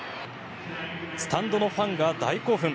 スタンドのファンが大興奮。